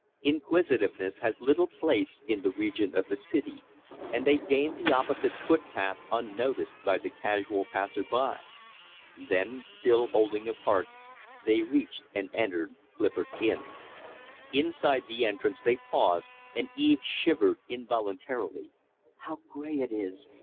Inquisitiveness has little place in the region of the city, and they gained the opposite footpath unnoticed by the casual passer by. Then, still holding apart, they reached and entered Clifford's Inn. Inside the entrance they paused, and Eve shivered involuntarily. "How gray it is!"